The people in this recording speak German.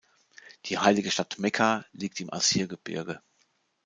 Die heilige Stadt Mekka liegt im Asir-Gebirge.